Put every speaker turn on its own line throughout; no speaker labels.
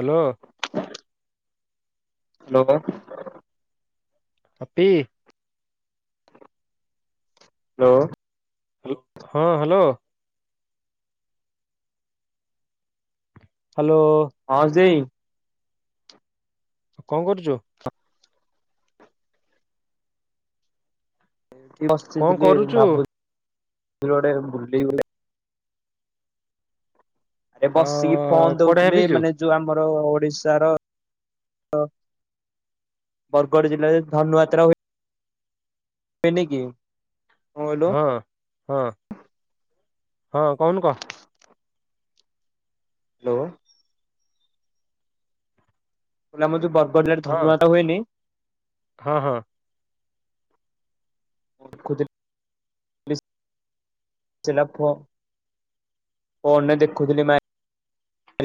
Hello.
Hello.
ଅପି।
Hello.
ହଁ hello. Hello.
ହଁ ଜେଇ
ଆଉ କରୁଛୁ?
ଏଠି ବସିଚି
କଣ
ବୋଲି
କରୁଛୁ
ଭାବୁଥିଲୀ ଗୋଟେ ଭୁଲିଗଲେ ଆରେ
ଅ
ବସିକି ଫୋନ
କୁଆଡେ
ଦେଖୁଥିଲି
ଭାବିଛୁ
ମାନେ ଯୋଉ ଆମ [unintelligible] ଓଡିଶାର ଅ ବରଗଡ଼ ଜିଲ୍ଲାରେ ଧନୁଯାତ୍ରା ହୁଏ। ହୁଏ କି। କଣ କହିଲୁ ହ୍ୟାଲୋ
ହଁ ହଁ ହଁ କହୁନୁ କହ।
ହାଲୋ। କହିଲି ଆମର ଯଉ ବରଗଡ଼ ଜିଲାରେ
ହଁ
ଧନୁଯାତ ହୁଏନି
ହଁ ହଁ
କଣକଉଥିଲି [unintelligible] ଫୋନ୍ ରେ ଦେଖୁଥିଲି ମା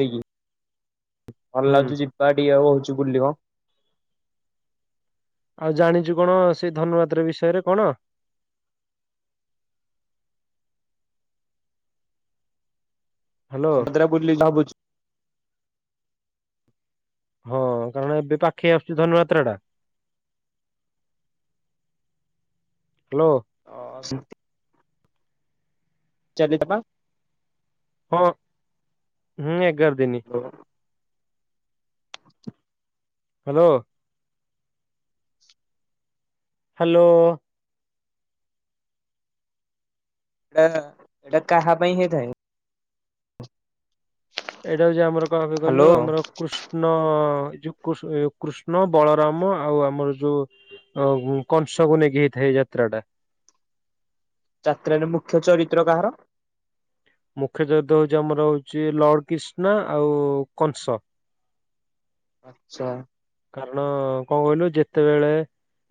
ରିକି। କଣ
ହୁଁ
ଲାଜୁ ଯିବାଟିକେ ଆଉଁ ହଉଛି ବୁଲିମ।
ଆଉ ଜାଣିଛୁ କଣ ସେଇ ଧନୁୁଯାତ୍ରା ବିଷୟରେ କଣ? ହ୍ୟାଲୋ
[unintelligible] ବୁଲିଯାଅ [unintelligible]
ହଁ କାରଣ ଏବେ ପାଖେଇ ଆସୁଛି ଧନୁଯାତ୍ରା ଟା। ହାଲୋ।
ହଁ ସେମିତି [unintelligible]
ହଁ ହୁଁ ଏଗାର ଦିନ। ହାଲୋ। ହାଲୋ।
ଏଟା କାହା ପାଇଁ ହେଇଥାଏ।
ଏଇଟା ହେଉଛି ଆମର କାହା ପାଇଁ
ହ୍ୟାଲୋ
କହିଲୁ ଆମର କୃଷ୍ଣଅ ଏଯୋଉ କୃଷ ଏ ଯୋଉ କୃଷ୍ଣ ବଳରାମ ଆଉ ଆମର ଯୋଉଁ ଆଉ କଂସକୁୁ ନେଇକି ହେଇଥାଏ ଯାତ୍ରା ଟା।
ଯାତ୍ରାରେ ମୁଖ୍ୟ ଚରିତ୍ର କାହାର?
ମୁଖ୍ୟ ଚରିତ୍ର ହଉଛି ଆମର ହଉଛି ଲଡ କିଷ୍ଣା ଆଉଁ କଂସ।
ଆଚ୍ଛା।
କାରଣ କଣ କହିଲୁ ଯେତେବେଳେ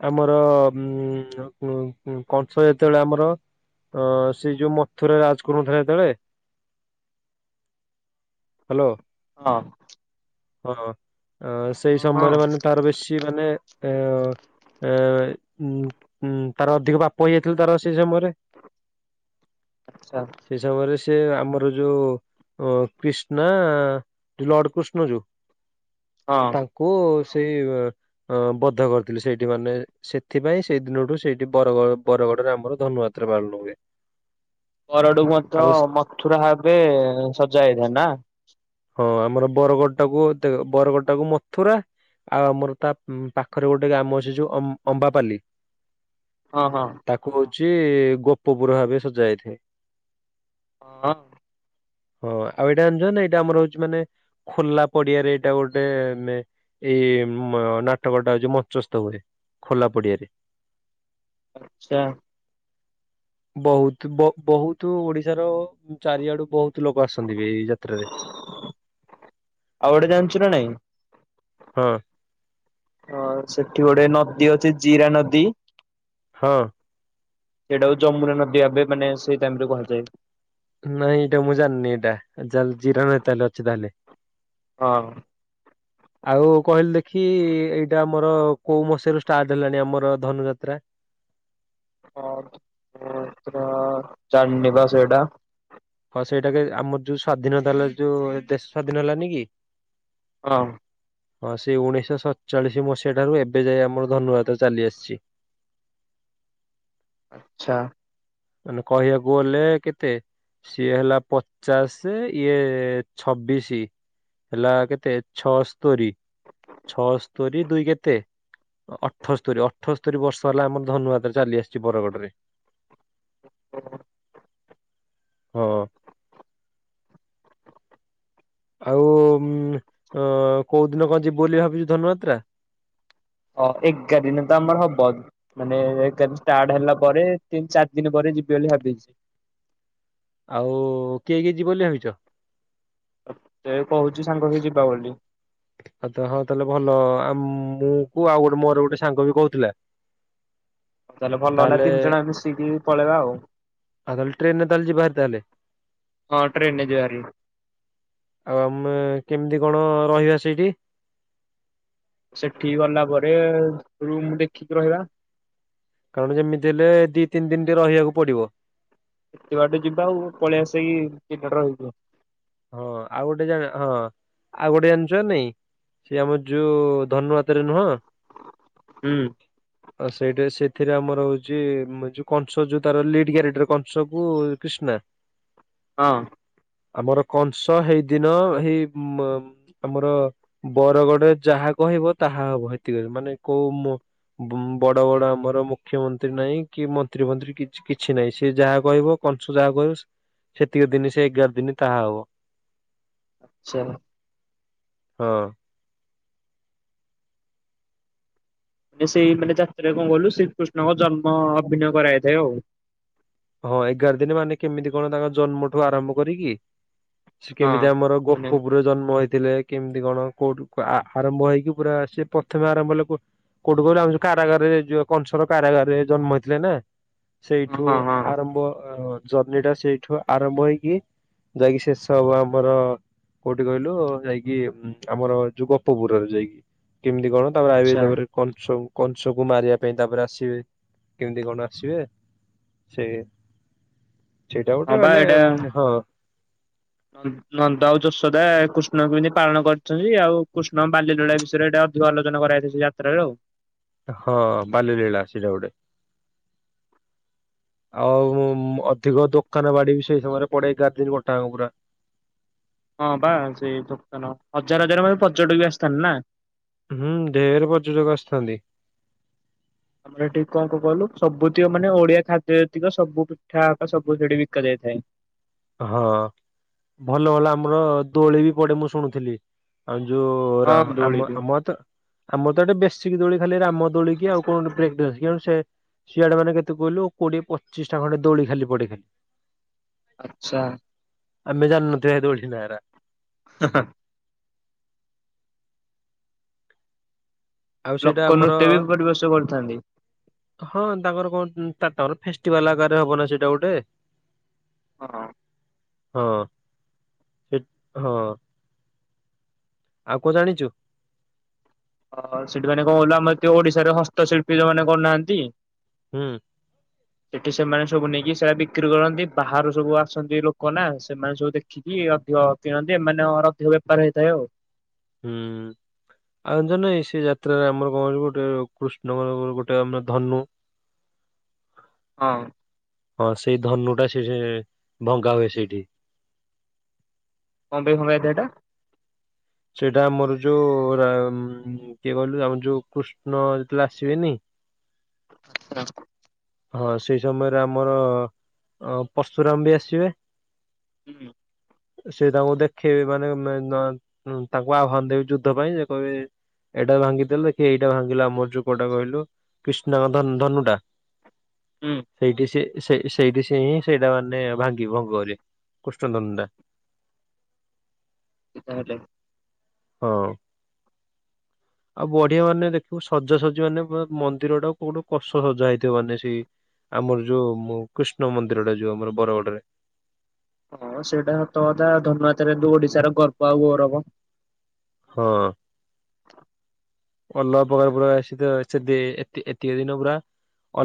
ଆମର ଉଁ ଆଁ ଉଁ କଂସ ଯେତେବେଳେ ଆମର ଅଁ ସେଇ ଯୋଉଁ ମଥୁରା ରାଜ କରୁଥିଲା ସେତେବେଳେ ହାଲୋ।
ହଁ।
ହଁ ସେଇ
ହଁ ହଁ
ସମୟରେ ମାନେ ତାର ବେଶୀ ମାନେ ଏ ଉ ହୁଁ ତାର ଅଧିକ ପାପ ହେଇଯାଇଥିଲା ତାର ସେଇ ସମୟରେ
ଆଚ୍ଛା
ସେଇ ସମୟରେ ସେ ଆମର ଯୋଉ ଅ କ୍ରିଷ୍ଣା ଲଡ କୃଷ୍ଣ ଯୋଉ
ହଁ
ତାଙ୍କୁ ସେଇ ବଧ କରିଥିଲି ସେଇଠି ମାନେ ସେଥିପାଇଁ ସେଇ ଦିନଠୁ ସେଇଠି ବରଗଡ଼ ରେ ଆମର ଧନୁଯାତ୍ରା ପାଳନ ହୁଏ।
ପରଡୁକୁ ମଧ୍ୟ
ଆଉ
ମଥୁରା ଭାବରେ ସଜା ହେଇଥାଏ ନା।
ହଁ ଆମର ବରଗଡ ଟାକୁ ବରଗଡ ଟାକୁ ମଥୁରା ଆଉ ଆମର ତା ପାଖରେ ଗୋଟେ ଗ୍ରାମ ଅଛି ଯୋଉ ଅମ୍ବାପାଲି
ହଁ ହଁ।
ଛି ଗୋପପୁର ଭାବେ ସଜା ଯାଇଥାଏ।
ହଁ।
ହଁ ଆଉ ଏଇଟା ଜାଣିଛ ନା ଏଇଟା ଆମର ହଉଛି ମାନେ ଖୋଲା ପଡିଆରେ ଏଇଟା ଗୋଟେ ମାନେ ଏଇ ନାଟକ ଟା ହଉଛି ମଞ୍ଚସ୍ଥ ହୁଏ ଖୋଲା ପଡିଆରେ।
ଆଚ୍ଛା।
ବହୁତ ବହୁତ ଓଡିଶାର ଚାରିଆଡୁ ବହୁତ କେତେ ଲୋକ ଆସନ୍ତି ବି ଏଇ ଯାତ୍ରାରେ।
ଆଉ ଗୋଟେ ଜାଣିଛୁ ନା ନାଇଁ
ହଁ।
ହଁ ସେଠି ଗୋଟେ ନଦୀ ଅଛି ଜିରା ନଦୀ
ହଁ।
ସେଇଟା ହଉଛି ଯମୁନା ନଦୀ ଭାବେ ମାନେ ସେଇ ଟାଇମ ରେ କୁହାଯାଏ।
ନାଇଁ ଏଇଟା ମୁଁ ଜାଣିନି ଏଇଟା ଯା ଜିରା ନହି ତାହେଲେ ଅଛି ତାହେଲେ।
ହଁ।
ଆଉ କହିଲୁ ଦେଖି ଏଇଟା ଆମର କୋଉ ମସିହାରୁ ଷ୍ଟାର୍ଟ ହେଲାଣି ଆମର ଧନୁଯାତ୍ରା? [inaudible]
ପତ ଚାନିବାସ ସେଇଟା।
ହଁ ସେଇଟାକେ ଆମର ଯୋଉ ସ୍ଵାଧୀନତା ଯୋଉ ଦେଶ ସ୍ୱାଧୀନ ହେଲାନି କି?
ହଁ
ହଁ ସେଇ ଉଣେଇଶହ ସତଚାଳିଶ ମସିହା ଠାରୁ ଏବେ ଯାଏ ଆମର ଧନୁ ଯାତ୍ରା ଚାଲି ଆସିଛି। [inaudible]
ଆଚ୍ଛା।
ମାନେ କହିବାକୁ ଗଲେ କେତେ ସିଏ ହେଲା ପଚାଶ ଇଏ ଛବିଶୀ ହେଲା କେତେ ଛଅସ୍ତୋରୀ ଛଅସ୍ତୋରୀ ଦୁଇ କେତେ? ଅଠସ୍ତରୀ ଅଠସ୍ତରୀ ବର୍ଷ ହେଲା ଆମର ଧନୁଯାତ୍ରା ଚାଲି ଆସିଛି ବରଗଡରେ।
[unintelligible]
ହଁ। ଆଉ କୋଉ ଦିନ କଣ ଯିବୁ ବୋଲି ଭାବିଛୁ ଧନୁଯାତ୍ରା?
ଅ ଏଗାର ଦିନ ତ ଆମର ହବ ମାନେ ଏଗାର ଦିନ ଷ୍ଟାର୍ଟ ହେଲା ପରେ ତିନି ଚାରି ଦିନ ପରେ ଯିବି ବୋଲି ଭାବିଛି।
ଆଉ କିଏ କିଏ ଯିବ ବୋଲି ଭାବିଛ?
ଆଚ୍ଛା।
ଆ ତ ହଁ ତାହେଲେ ଭଲ ଆ ମୁଁ କୁ ଆଉ ଗୋଟେ ମୋର ଗୋଟେ ସାଙ୍ଗବି କହୁଥିଲା
ହଉ ତାହେଲେ ଭଲ ହେଲା ତିନି ଜଣ ମିଶିକି ପଳେଇବା ଆଉ।
ଆଉ ତାହେଲେ ଟ୍ରେନରେ ତାହେଲେ ଯିବା ଭାରି ତାହେଲେ
ହଁ ଟ୍ରେନରେ ଯିବାଭାରି।
ଆଉ ଆମେ- କେମିତି କଣ ରହିବା ସେଇଠି?
ସେଠି ଗଲା ପରେ ରୁମ ଦେଖିକି ରହିବା।
କାରଣ ଯେମିତି ହେଲେ ଦି ତିନି ଦିନ ଟେ ରହିବାକୁ ପଡିବ।
ସେତ ବାଟୁ ଯିବା ଆଉ ପଳେଇ ଆସିକି ଚହନଟ ରଇଯିବା।
ହଁ ଆଉ ଗୋଟେ ଜାଣ ହଁ ଆଉ ଗୋଟେ ଜାଣିଛ ନାଇଁ ସେ ଆମର ଯୋଉ ଧନୁଯାତ୍ରାରେ ନୁହଁ?
ହଁ।
ଆ ସେଇଠା ସେଥିରେ ଆମର ହଉଛି ଯୋଉ କଂସ ଯୋଉ ତାର ଲିଡ୍ କ୍ୟାରେକ୍ଟର କଂସ କୁ କ୍ରିଷ୍ଣା ହ
ହଁ।
ଆମର। କଂସ ହେଇଦିନ ଏଇ ଉ ଆମର ବରଗଡରେ ଯାହା କହିବ ତା ହହା ହବ ସେତିକ ମାନେ କୋଉ ମୁଁ ବଡ ବଡ ଆମର ମୁଖ୍ୟମନ୍ତ୍ରୀ ନାହିଁ କି ମନ୍ତ୍ରୀ ମନ୍ତ୍ରୀ କିଛି ନାହିଁ ସେ ଯାହା କହିବ କଂସ ଯାହା କହିବ ସେତିକି ଦିନ ସେ ଏଗାର ଦିନ ତାହା ହବ।
[unintelligible]
ହଁ।
ମାନେ ସେଇ ମାନେ ଯାତ୍ରାରେରେ କଣ କଲୁ ଶ୍ରୀକୃଷ୍ଣଙ୍କ ଜନ୍ମ ଅଭିନୟ କରାାଇଥାଏ ଆଉ।
ହଁ ଏଗାର ଦିନ ମାନେ କେମିତି କଣ ତାଙ୍କ ଜନ୍ମଠୁ ଆରମ୍ଭ କରିକି ସେ
ହଁ
କେମିତି ଆମର
ମାନେ
ଗୋପପୁରେ ଜନ୍ମ ହେଇ ଥିଲେ କେମିତି କଣ କୋଉଠି ଆ-ଆରମ୍ଭ ହେଇକି ପୁରା ସେ ପ୍ରଥମେ ଆରମ୍ଭ ହେଲେ କୋଉଠୁ କୋଉଠୁ କହିଲେ ଆମ ଯଉ କାଗାରରେ ଯ- କଂସର କାରାଗାରରେ ଜନ୍ମ ହେଇଥିଲେ ନା।
ହଁ
ସେଇଠୁ
ହଁ ହଁ
ଆରମ୍ଭ ଜର୍ଣିି ଟା ସେଇଠୁ ଆରମ୍ଭ ହେଇକି ଯାଇକି ଶେଷ ହବ ଆମର କୋଉଠି କହିଲୁ ଯାଇକି ଆମର ଯୋଉ ଗୋପପୁରରେ ଯାଇକି କେମିତି କଣ ତାପରେ ଆ
ଆଚ୍ଛା
ତାପରେ କଣ ସବୁ। କଂସ କୁ ମାରିବା ପାଇଁ ତାପରେ ଆସିବେ କେମିତି କଣ ଆସିବେ। ସେ ସେଇଟା
ହଁ
ଗୋଟେ
ବା ଏଇଟା
ମାନେ ହଁ।
ନନ୍ଦ ଆଉ ଯଶୋଦା କୃଷ୍ଣ ଙ୍କୁ କେମିତି ପାଳନ କରିଛନ୍ତି ଆଉ କୃଷ୍ଣ ବାଲ୍ୟଲୀଳା ବିଷୟରେ ଏଇଟା ଆଲୋଚନା କରାଯାଇଛି ଯାତ୍ରା ରେ ଆଉ।
ହଁ ବାଲ୍ୟଲୀଳା ସେଇଟା ଗୋଟେ। ଆଉ ମୁଁ ଅଧିକ ଦୋକାନ ବାଡି ବି ସେଇ ସମୟରେ ପଡେଇ ରାତି ଗୋଟାକ ପୁରା।
ହଁ ବା ସେଇ ହଜାର ହଜାର ମ-ପର୍ଯ୍ୟଟକ ବି ଆସିଥାନ୍ତି ନା?
ହୁଁ ଦେଢ ପର୍ଯ୍ୟଟକ ଆସିଥାନ୍ତି।
ଆମର ଏ ଟିକି କଣ କଣ କହିଲୁ ସବୁତିକ ମାନେ ଓଡିଆ ଖାଦ୍ୟତିକ ସବୁ ପିଠାକା ସବୁ ସେଠି ବିକା ଯାଏ। ହେଁ।
ହଁ ଭଲ ଭଲ ଆମର ଦୋଳି ବି ପଡେ ମୁଁ ଶୁଣୁଥିଲି ଆ ଯଉ
ହଁ
ରାମ-ଆମ
ଦୋଳିକୁ।
ଆମ ତ ଆମ ତ ଏଟେ ବେଶୀିକି ଦୋଳି ଖାଲି ରାମ୍ ରାମ ଦୋଳି କି ଆଉ କଣ ବ୍ରେକଡାନ୍ସ [unintelligible] ସିଆଡେ ମାନେ କେତେ କହିଲୁ କୋଡିଏ ପଚିଶ ଟା ଖଣ୍ଡେ ଦୋଳି ଖାଲି ପଡିଥାଏ।
ଆଛା।
ଆମେଜାନନୁ [unintelligible]
[unintelligible]
ଆଉ ସେଇଟା
ଲୋକ
ଆମର
ନୃତ୍ୟ ବି ପରିବେଶ କରିଥାନ୍ତି।
ହଁ ତାଙ୍କର କଣ ତା ତର ଫେଷ୍ଟିଭାଲ ଆଗରେ ହବ ନା ସେଇଟା ଗୋଟେ।
ହଁ।
ହଁ ସେ ହଁ। ଆଉ କ ଜାଣିଛୁ?
ସେଠି ମାନେ କଣ କଇଲୁ ଆମର ଓଡିଶାରେ ହସ୍ତଶିଳ୍ପୀ ଯୋମାନେ କହୁନାହାନ୍ତି
ହୁଁ।
ସେଠି ସେମାନେ ସବୁ ନେଇକି ସେଇଟା ବିକ୍ରି କରନ୍ତି। ବାହାରୁ ସବୁ ଆସନ୍ତି ଲୋକ ନା ସେମାନେ ସବୁ ଦେଖିକି ଟିକେ ଅଧିକ କିଣନ୍ତି। ଏମାନଙ୍କର ଅଧିକ ବେପାର ହେଇଥାଏ ଆଉ।
ହୁଁ। ଆଉ ଜାଣିନ, ସେଇ ଯାତ୍ରାରେ ଆମର କଣ ହେଇଛି। ଗୋଟେ କୃଷ୍ଣଙ୍କର, ଗୋଟେ ଆମ ଧନୁ [unintelligible]
ହଁ।
ହଁ, ସେଇ ଧନୁଟା ସେ ସେ ଭଙ୍ଗା ହୁଏ ସେଇଠି।
କଣ ପାଇଁ ଭଙ୍ଗା ହେଇଥିଏ ହେଇଟା?
ସେଇଟା ଆମର ଯୋଉ ରାମ କିଏ କହିଲୁ ଆମର ଯୋଉ କୃଷ୍ଣ ଯେତେବେଳେ ଆସିବେନି
ହଁ।
ହଁ, ସେଇ ସମୟରେ ଆମର ପର୍ଶୁରାମ ବି ଆସିବେ।
ହୁଁ।
ସେ ତାଙ୍କୁ ଦେଖେଇବେ ମାନେ ନ ଉଁ ତାଙ୍କୁ ଆହ୍ୱାନ ଦେବେ ଯୁଦ୍ଧ ପାଇଁ ସେ କହିବେ ଏଇଟା ଭାଙ୍ଗିଦେଲେ କି ଏଇଟା ଭାଙ୍ଗିଲା ଆମର ଯୋଉ କୋଉଟା କହିଲୁ କୃଷ୍ଣଙ୍କ ଧନୁ ଟା
ହୁଁ
ସେଇଠି ସେ ସେଇ ସେଇଠି ସେ ହିଁ ସେଇଟା ମାନେ ଭାଙ୍ଗି ଭଙ୍ଗ କରିବେ କୃଷ୍ଣ ଧନୁଟା। [inaudible]
ସେ ତା ହେଲେ
ହଁ। ଆଉ ବଢିଆ ମାନେ ଦେଖିବୁ, ସଜାସଜି ମାନେ ମନ୍ଦିର ଟା କୋଉଠୁ କଷ ସଜା ହେଇଥିବ ମାନେ ସେଇ ଆମର ଯୋଉ କୃଷ୍ଣ ମନ୍ଦିରଟା ଯୋଉ ଆମର ବରଗଡରେ।
ହଁ ସେଇଟା ସତ କଥା। ଧନୁଯାତ୍ରା ରେ ଓଡିଶାର ଗର୍ବ ଆଉ ଗୌରବ।
ହଁ।
[inaudible]
ଅଲଗା ପ୍ରକାର, ପୁରା ଆସି ତ ଅଛନ୍ତି। ଏତି ଏତିକି ଦିନ ପୁରା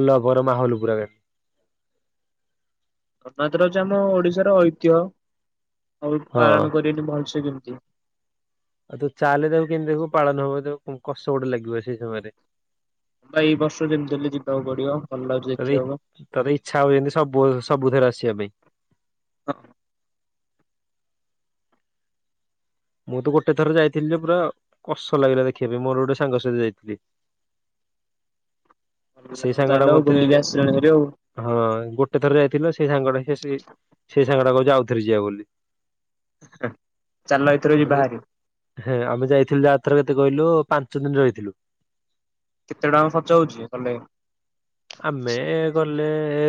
ଅଲଗା ପ୍ରକାର ମାହୋଲ ପୁରା ଏ
କଥା ଏଥିରେ ଅଛି ଆମ ଓଡିଶାର ଐତିହ୍ୟ ଆଉ
ହଁ
ପାଳନ କରିବେନି ଭଲସେ କେମିତି?
ଆଉ ତୁ ଚାଲେ ଦେଖିବୁ କେମିତି ଦେଖବୁ ପାଳନ ହବ ତ, କଷ ଗୋଟେ ଲାଗିବ ସେଇ ସମୟରେ।
ବା ଏଇ ବର୍ଷ ଯେମିତି ହେଲେ ଯିବାକୁ ପଡିବ ଭଲ ଲାଗୁଛି
ତତେ
ଦେଖିବାକୁ।
ତତେ ଇଚ୍ଛା ହବ ଯେନ୍ତୀ ସବୁ ସବୁ ଉଧର ଆସିବା ପାଇଁ
ହଁ।
ମୁଁ ତ ଗୋଟେ ଥର ଯାଇଥିଲି ଯେ ପୁରା କଷ ଲାଗିଲା ଦେଖିବା ପାଇଁ। ମୋର ଗୋଟେ ସାଙ୍ଗ ସହିତ ଯାଇଥିଲି। [inaudible] ସେଇ ସାଙ୍ଗ ଟା
ତାହେଲେ ଆଉ ବୁଲିକି
ମତେ
ଆସିଲଣି ଭାରି ଆଉ।
ହଁ, ଗୋଟେ ଥର ଯାଇଥିଲୁ ସେଇ ସାଙ୍ଗ ସେ ସେଇ ସାଙ୍ଗଟା କହୁ ଯେ ଆଉଥରେ ଯିବା ବୋଲି।
[unintelligible] ଯିବା
ଆମେଁ
ଭାରି।
ହେ ଆମେ ଯାଇଥିଲୁ ଯେ ଆରଥର। କେତେ କହିଲୁ ପାଞ୍ଚ ଦିନ ରହିଥିଲୁ
କେତେ ଟଙ୍କା ଖର୍ଚ୍ଚ ହଉଛି ଗଲେ?
ଆମେ ଗଲେ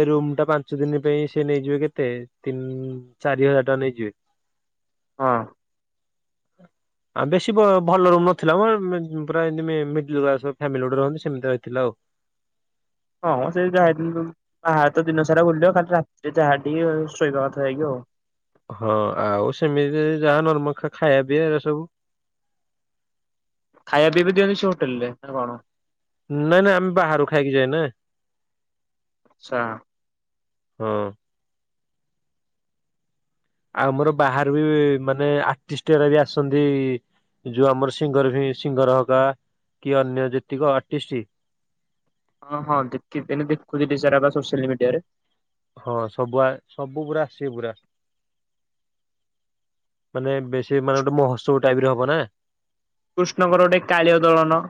ରୁମ୍ ଟା ପାଞ୍ଚ ଦିନ ପାଇଁ ସେ ନେଇଯିବେ କେତେ ତେ ତିନି, ଚାରି ହଜାର ଟଙ୍କା ନେଇଯିବେ।
ହଁ।
[unintelligible] ଆଉ ବେଶୀ ବ ଭଲ ରୁମ ନଥିଲା ମ। ପୁରା ମି ମିଡ଼ିଲ କ୍ଲାସ ଫାମିଲି ଗୋଟେ ରହନ୍ତି, ସେମିତି ରହିଥିଲା ଆଉ। [inaudible]
ହଁ, ସେ ଯାହା ବାହାରେ ତ ଦିନ ସାରା ବୁଲିବ। ଖାଲି ରାତିରେ ଯାହା ଟିକେ ଶୋଇବା କଥା, ଯାଇକି ଆଉ।
ହଁ, ଆଉ ସେମିତି ଯାହା ନର୍ମଖ ଖାଇବା, ପିଆ, ଏଇରା ସବୁ।
ଖାଇବା ପିଇବା ଦିଅନ୍ତି ସେ ହୋଟେଲରେ ନା କଣ?
ନାଁଇ ନାଁ, ଆମେ ବାହାରୁ ଖାଇକି ଯାଏ ନା।
ଆଚ୍ଛା।
ହଁ। ଆଉ ଆମର ବାହାରୁ ବି ମାନେ ଆର୍ଟିଷ୍ଟ ଗୁରା ବି ଆସନ୍ତି। ଯୋଉ ଆମର ସିଙ୍ଗର ଫି ସିଙ୍ଗର ହକା କି ଅନ୍ୟ ଯେତିକ ଆର୍ଟିଷ୍ଟ।
ଫିଲିମି ଟାରେ।
ହଁ ସବୁଆ ସବୁ ପୁରା ଆସିବେ ପୁରା। ମାନେ ବେଶୀ ମାନେ ଗୋଟେ ମହୋତ୍ସବ ଟାଇପରେ ହବ ନା।
କୃଷ୍ଣଙ୍କର ଗୋଟେ କାଳିଅ ଦଳନ।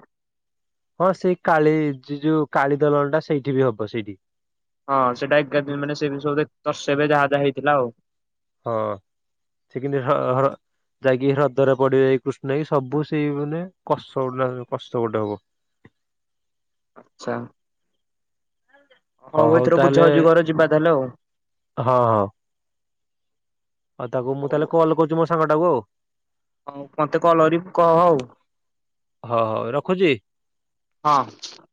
ହଁ ସେଇ କାଳି ଯି ଯୋଉ କାଳି ଦଲନ ଟା ସେଇଠି ବି ହବ ସେଇଠି।
ହଁ ସେଇଟା ଏଗାର ଦିନ ମାନେ ସେ ସବୁ ରେ ଦରଶେଇବେ ଯାହା ଯାହା ହେଇଥିଲା ଆଉ ‌।
ହଁ ଠିକ୍ ହଁ ହଁ ବା ଯାଇକି ହ୍ରଦରେ ପଡିବେ କୃଷ୍ଣେଇ ସବୁ ସେଇ ମାନେ କଷ୍ ଉଲା କଷ୍ଟ ଗୋଟାକ। [unintelligible]
ଆଛା
ହଁ
ହଉ ଏଥର ବୁଝ
ତାହେଲେ
ଯିବାର ଯିବା ତାହେଲେ ଆଉ।
ହଁ ହଁ। ଆଉ ତାକୁ ମୁଁ ତାହେଲେ
ହଉ
କଲ କରୁଛି ମୋ ସାଙ୍ଗ ଟାକୁ ଆଉ।
ହଉ ମତେ କଲ କରୀ କହ ଅଉ
ହଁ ହଉ ରଖୁଛି।
‌ ହଁ।